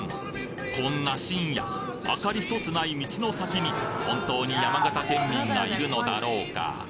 こんな深夜灯り１つない道の先に本当に山形県民がいるのだろうか？